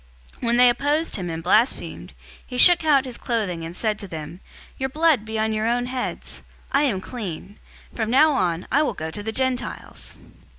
018:006 When they opposed him and blasphemed, he shook out his clothing and said to them, "Your blood be on your own heads! I am clean. From now on, I will go to the Gentiles!"